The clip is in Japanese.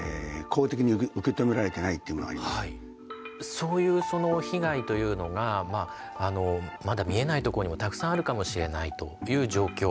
そういう被害というのがまだ見えないところにもたくさんあるかもしれないという状況。